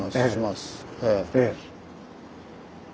ええ。